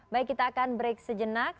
baik kita akan break sejenak